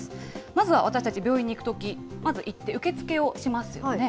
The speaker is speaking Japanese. まずは私たち、病院に行くとき、まず行って、受け付けをしますよね。